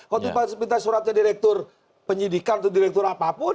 kalau minta suratnya direktur penyidikan atau direktur apapun